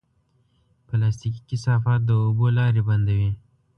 پلاستيکي کثافات د اوبو لارې بندوي.